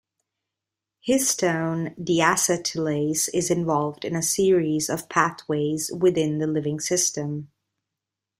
Histone deacetylase is involved in a series of pathways within the living system.